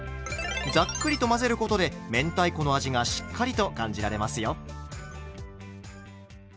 ざっくりと混ぜることで明太子の味がしっかりと感じられますよ。